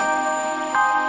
ada apa bi